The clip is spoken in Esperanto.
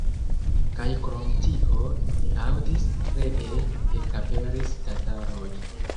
Kaj krom tio, mi aŭdis, ree ekaperis tataroj.